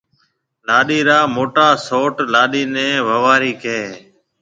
لاڏيَ را موٽا سئوٽ لاڏيِ نَي ووارِي ڪهيَ هيَ۔